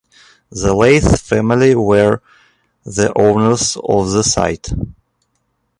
The Leith family were the owners of the site.